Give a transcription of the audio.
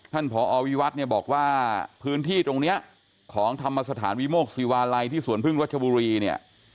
ผอวิวัฒน์เนี่ยบอกว่าพื้นที่ตรงนี้ของธรรมสถานวิโมกศิวาลัยที่สวนพึ่งรัชบุรีเนี่ย